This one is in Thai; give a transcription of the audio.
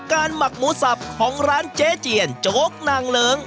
หมักหมูสับของร้านเจ๊เจียนโจ๊กนางเลิ้ง